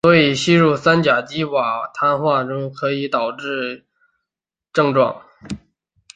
所以吸入三甲基硅烷化重氮甲烷可能也会导致与吸入重氮甲烷类似的症状。